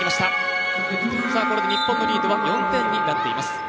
これで日本のリードは４点になっています。